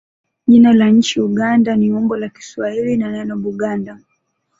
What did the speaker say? Jina la nchi Uganda ni umbo la Kiswahili la neno Buganda.